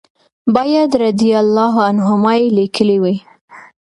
باید رضی الله عنهما یې لیکلي وای.